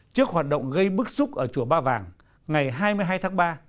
trước hoạt động gây bức xúc ở chùa ba vàng ngày hai mươi hai tháng ba